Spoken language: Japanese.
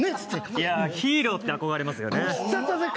いや、ヒーローって憧れますよね